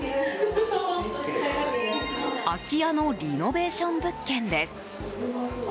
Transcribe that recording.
空き家のリノベーション物件です。